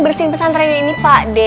jadi itu yang antara automobile dan